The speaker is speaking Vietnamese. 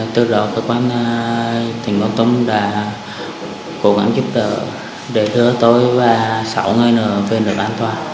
từ lúc cơ quan tỉnh kon tum đã cố gắng giúp đỡ đời thưa tôi và sáu người nữ về nước an toàn